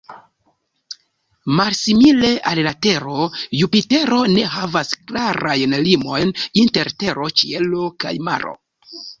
Malsimile al la Tero, Jupitero ne havas klarajn limojn inter tero, ĉielo kaj maro.